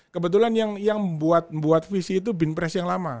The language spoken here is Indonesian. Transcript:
kebetulan yang membuat visi itu binpres yang lama